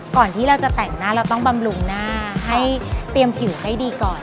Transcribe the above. ก่อนที่เราจะแต่งหน้าเราต้องบำรุงหน้าให้เตรียมผิวให้ดีก่อน